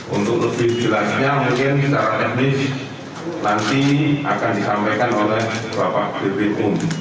untuk lebih jelasnya mungkin secara teknis nanti akan disampaikan oleh bapak ibu